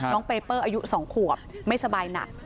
เปเปอร์อายุ๒ขวบไม่สบายหนัก